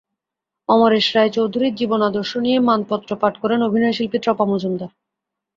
অমরেশ রায় চৌধুরীর জীবনাদর্শ নিয়ে মানপত্র পাঠ করেন অভিনয়শিল্পী ত্রপা মজুমদার।